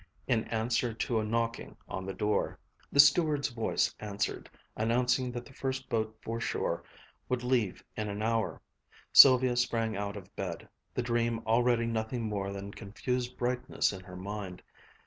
in answer to a knocking on the door. The steward's voice answered, announcing that the first boat for shore would leave in an hour. Sylvia sprang out of bed, the dream already nothing more than confused brightness in her mind.